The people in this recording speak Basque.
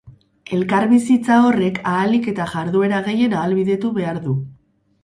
Elkarbizitza horrek ahalik eta jarduera gehien ahalbidetu behar du.